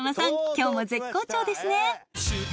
今日も絶好調ですね。